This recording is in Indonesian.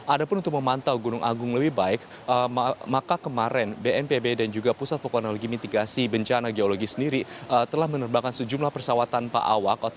ada pun untuk memantau gunung agung lebih baik maka kemarin bnpb dan juga pusat vulkanologi mitigasi bencana geologi sendiri telah menerbangkan sejumlah persawatan pak awak